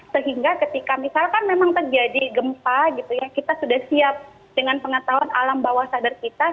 sehingga ketika misalkan memang terjadi gempa gitu ya kita sudah siap dengan pengetahuan alam bawah sadar kita